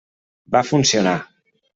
Va funcionar.